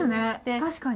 確かに。